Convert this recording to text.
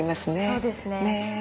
そうですね。